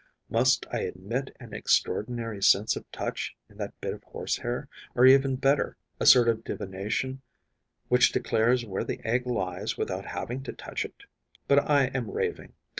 Must I admit an extraordinary sense of touch in that bit of horse hair, or even better, a sort of divination which declares where the egg lies without having to touch it? But I am raving!